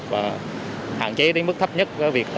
và hạn chế đến mức thấp nhất